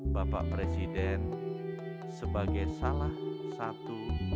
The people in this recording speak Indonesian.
bapak presiden sebagai salah satu